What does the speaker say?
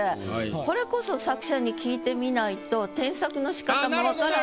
これこそ作者に聞いてみないと添削のしかたも分からない。